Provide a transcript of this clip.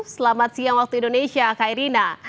selamat siang waktu indonesia kairina